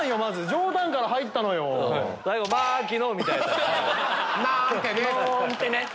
冗談から入ったのよ。なんてね！